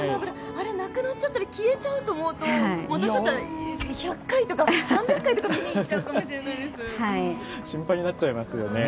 あれがなくなっちゃったり消えちゃうって思うと私だったら１００回とか３００回とか見に行っちゃうかもしれないです。